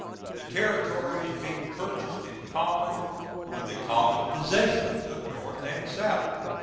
The territories being purchased in common, were the com. pos. of North and South.